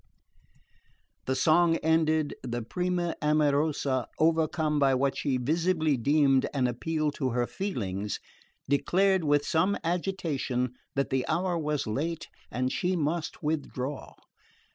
The song ended, the prima amorosa, overcome by what she visibly deemed an appeal to her feelings, declared with some agitation that the hour was late and she must withdraw.